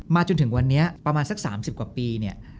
มาจนถึงวันนี้ประมาณสัก๓๐กว่าปี